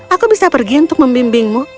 aku bisa pergi untuk membimbingmu